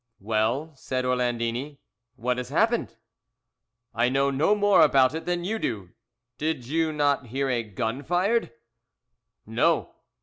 "'Well,' said Orlandini, 'what has happened?' "'I know no more about it than you do. Did you not hear a gun fired?' "'No.'